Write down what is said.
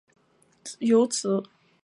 有子五人